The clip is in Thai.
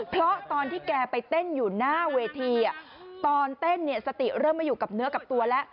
เพราะตอนที่แกไปเต้นอยู่หน้าเวทีตอนเต้นเนี่ยสติเริ่มไม่อยู่กับเนื้อกับตัวแล้ว